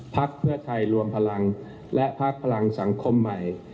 พักเพื่อไทยรวมพลังและพักพลังสังคมใหม่